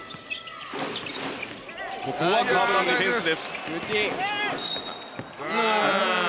ここは河村のディフェンスです。